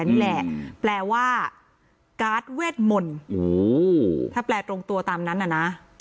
นี่แหละแปลว่ากาสเวจมนต์ถ้าแปลตรงตัวตามนั้นอ่ะนะ